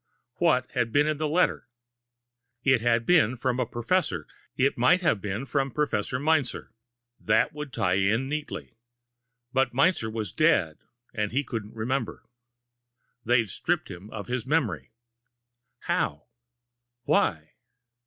What had been in the letter? It had been from a professor it might have been from Professor Meinzer. That would tie in neatly. But Meinzer was dead, and he couldn't remember. They'd stripped him of his memory. How? Why?